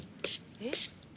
えっ？